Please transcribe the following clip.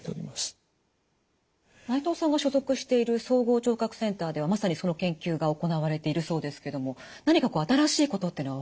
内藤さんが所属している総合聴覚センターではまさにその研究が行われているそうですけども何か新しいことというのは分かってきてるんですか？